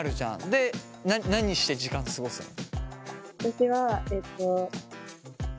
で何して時間過ごすの？